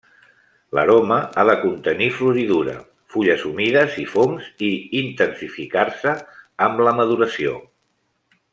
L'aroma ha de contenir floridura, fulles humides i fongs, i intensificar-se amb la maduració.